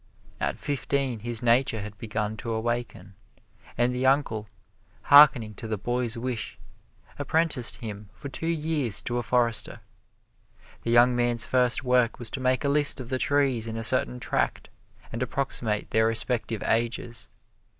At fifteen his nature had begun to awaken, and the uncle, harkening to the boy's wish, apprenticed him for two years to a forester. The young man's first work was to make a list of the trees in a certain tract and approximate their respective ages.